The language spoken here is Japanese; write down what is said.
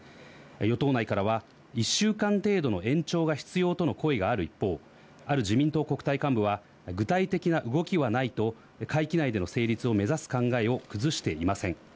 与党内からは１週間程度の延長が必要との声がある一方、ある自民党国対幹部は具体的な動きはないと会期内での成立を目指す考えを崩していません。